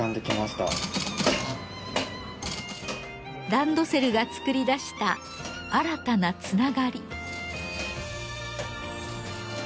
ランドセルが作り出した新たなつながり。